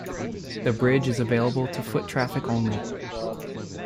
The bridge is available to foot traffic only.